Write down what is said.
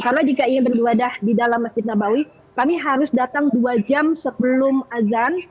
karena jika ingin beribadah di dalam masjid nabawi kami harus datang dua jam sebelum azan